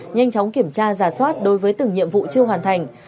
nhanh chóng kiểm tra giả soát đối với từng nhiệm vụ chưa hoàn thành